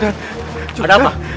kami mau laporan juragan